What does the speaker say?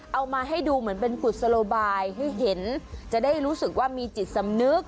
เอามาให้ดูเหมือนเป็นกุศโลบายให้เห็นจะได้รู้สึกว่ามีจิตสำนึก